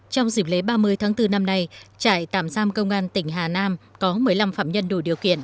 trong dịp lễ ba mươi tháng bốn năm nay trại tạm giam công an tỉnh hà nam có một mươi năm phạm nhân đủ điều kiện